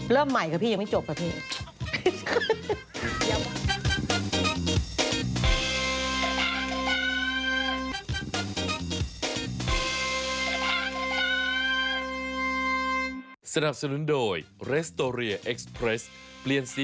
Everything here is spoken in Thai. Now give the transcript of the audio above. เริ่มใหม่กับพี่ยังไม่จบกับพี่